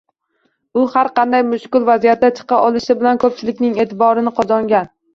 U har qanday mushkul vaziyatdan chiqa olishi bilan ko`pchilikning e`tiborini qozongan edi